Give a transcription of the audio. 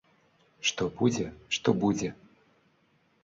Што будзе, што будзе?